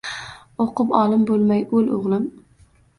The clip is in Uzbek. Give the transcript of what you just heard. O’qib olim bo’lmay o’l, o’g’lim